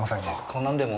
こんなのでも？